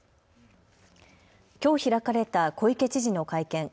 きょう開かれた小池知事の会見。